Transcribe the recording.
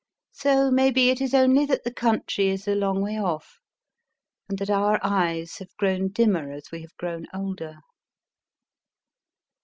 So, maybe, it is only that the country is a long way off, and that our eyes have grown dimmer as we have grown older.